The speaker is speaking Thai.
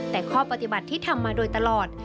แต่ข้อปฏิบัติที่ทำมาโดยตลอด